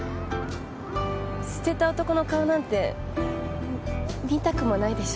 捨てた男の顔なんて見たくもないでしょ。